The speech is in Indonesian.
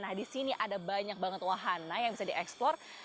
nah disini ada banyak banget wahana yang bisa di eksplor